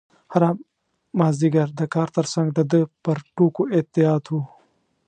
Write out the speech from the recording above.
هره مازدیګر د کار ترڅنګ د ده پر ټوکو اعتیاد و.